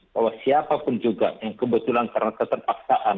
bahwa siapapun juga yang kebetulan karena keterpaksaan